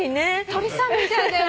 鳥さんみたいだよ。